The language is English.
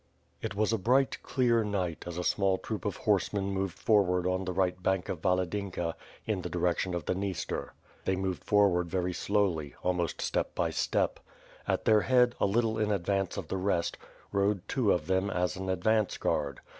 It was a bright, clear night as a small troop of horsemen moved forward on the right bank of Valadynka, in the di rection of the Dniester. They moved forward very slowly, almost step by step. At their head, a little in advance of the rest, rode two of them as an advance guard.